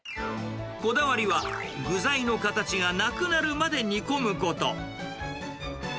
こだわりは具材の形がなくなるまで煮込むこと。